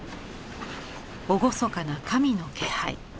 厳かな神の気配。